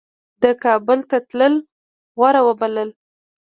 ده کابل ته تلل غوره وبلل.